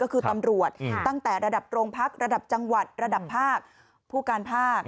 ก็คือตำรวจตั้งแต่ระดับโรงพักระดับจังหวัดระดับภาคผู้การภาค